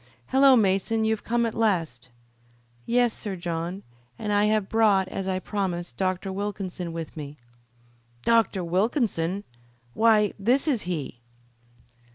"Hullo, Mason, you've come at last!" "Yes, Sir John, and I have brought, as I promised, Dr. Wilkinson with me." "Dr. Wilkinson! Why, this is he."